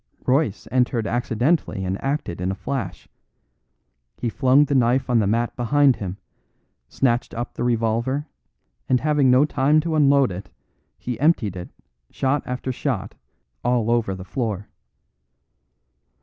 Royce entered accidentally and acted in a flash. He flung the knife on the mat behind him, snatched up the revolver, and having no time to unload it, emptied it shot after shot all over the floor.